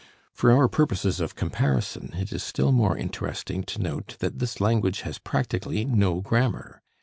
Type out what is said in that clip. For our purposes of comparison, it is still more interesting to note that this language has practically no grammar.